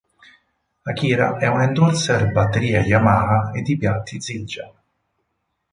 Akira è un endorser batterie Yamaha e di piatti Zildjian.